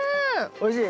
おいしい？